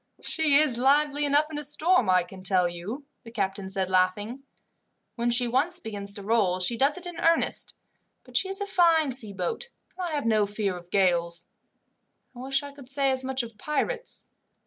"She is lively enough in a storm, I can tell you," the captain said, laughing. "When she once begins to roll she does it in earnest, but she is a fine sea boat, and I have no fear of gales. I wish I could say as much of pirates.